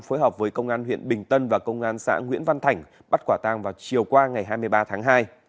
phối hợp với công an huyện bình tân và công an xã nguyễn văn thành bắt quả tang vào chiều qua ngày hai mươi ba tháng hai